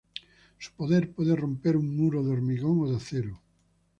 Su poder puede romper un muro de hormigón o de acero.